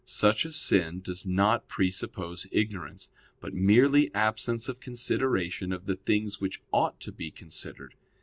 Such a sin does not presuppose ignorance, but merely absence of consideration of the things which ought to be considered.